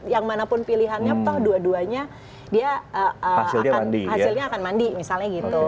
yang manapun pilihannya toh dua duanya dia hasilnya akan mandi misalnya gitu